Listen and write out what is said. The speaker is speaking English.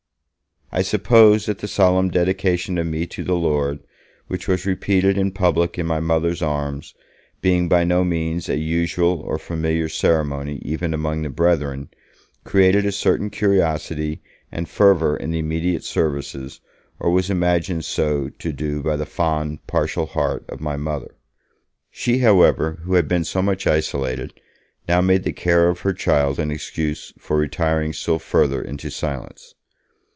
I suppose that the solemn dedication of me to the Lord, which was repeated in public in my Mother's arms, being by no means a usual or familiar ceremony even among the Brethren, created a certain curiosity and fervour in the immediate services, or was imagined so to do by the fond, partial heart of my Mother. She, however, who had been so much isolated, now made the care of her child an excuse for retiring still further into silence.